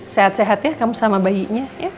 sehat sehat ya kamu sama bayinya